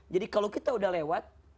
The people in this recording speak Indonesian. jadi kalau kita udah lewat